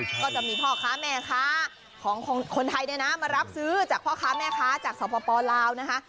ก็จะมีพ่อค้าแม่ค้าของคนไทยเนี่ยนะมารับซื้อจากพ่อค้าแม่ค้าจากสปลาวนะคะ